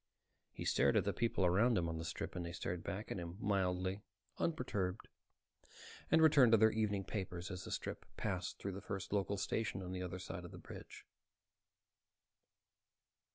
He stared at the people around him on the strip and they stared back at him, mildly, unperturbed, and returned to their evening papers as the strip passed through the first local station on the other side of the "bridge."